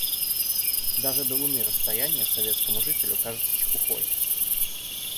Даже до луны расстояние советскому жителю кажется чепухой.